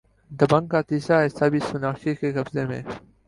دبنگ کا تیسرا حصہ بھی سوناکشی کے قبضے میں